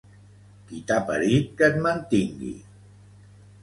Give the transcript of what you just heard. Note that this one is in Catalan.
Qui t'ha parit que et mantingui